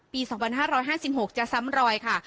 ปี๒๕๕๖จะซ้ำรอยค่ะ